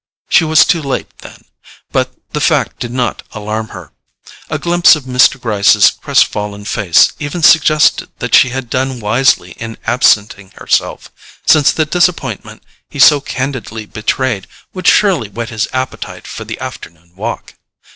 She was too late, then—but the fact did not alarm her. A glimpse of Mr. Gryce's crestfallen face even suggested that she had done wisely in absenting herself, since the disappointment he so candidly betrayed would surely whet his appetite for the afternoon walk.